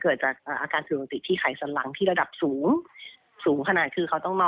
เกิดจากอาการผิวติที่ไขสันหลังที่ระดับสูง